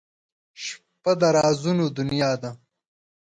• شپه د رازونو دنیا ده.